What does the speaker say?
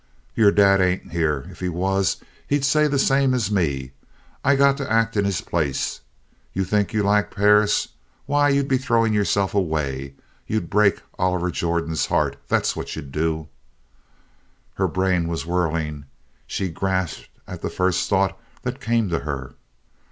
"Your Dad ain't here. If he was, he'd say the same as me. I got to act in his place. You think you like Perris. Why, you'd be throwing yourself away. You'd break Oliver Jordan's heart. That's what you'd do!" Her brain was whirling. She grasped at the first thought that came to her.